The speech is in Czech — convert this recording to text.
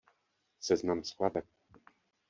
Seznam skladeb.